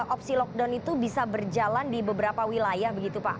opsi lockdown itu bisa berjalan di beberapa wilayah begitu pak